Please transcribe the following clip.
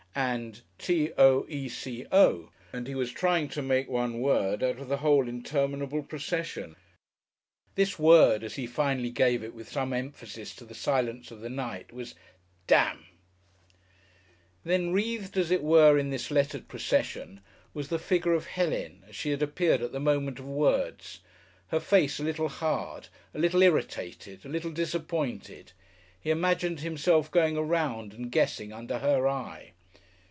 K. P. S. and T. O. E. C. O., and he was trying to make one word out of the whole interminable procession.... This word, as he finally gave it with some emphasis to the silence of the night, was "Demn!" Then, wreathed as it were in this lettered procession, was the figure of Helen as she had appeared at the moment of "words"; her face a little hard, a little irritated, a little disappointed. He imagined himself going around and guessing under her eye....